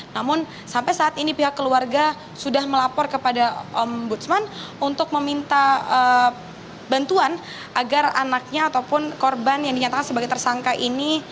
namun sampai saat ini pihak keluarga sudah melapor kepada ombudsman untuk meminta bantuan agar anaknya ataupun korban yang dinyatakan sebagai tersangka ini